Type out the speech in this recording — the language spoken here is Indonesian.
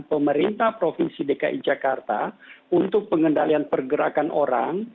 pemerintah provinsi dki jakarta untuk pengendalian pergerakan orang